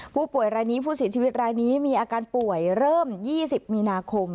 ผู้ป่วยรายนี้ผู้เสียชีวิตรายนี้มีอาการป่วยเริ่ม๒๐มีนาคม